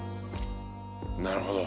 なるほど。